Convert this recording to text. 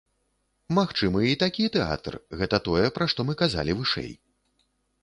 Магчымы і такі тэатр, гэта тое, пра што мы казалі вышэй.